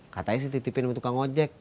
katanya sih titipin untuk kang ojek